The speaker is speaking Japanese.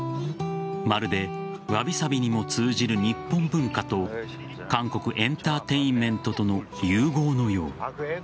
まるでわびさびにも通じる日本文化と韓国エンターテインメントとの融合のよう。